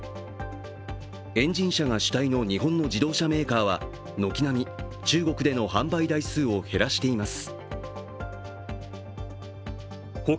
エンジン車が主体の日本の自動車メーカーは軒並み中国での販売台数を減らしています。